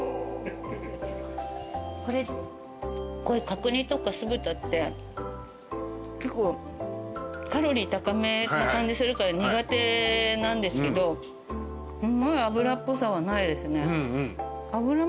角煮とか酢豚って結構カロリー高めな感じするから苦手なんですけど脂っぽさはないですね。